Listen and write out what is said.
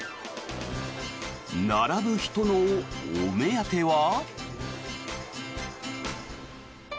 並ぶ人のお目当ては。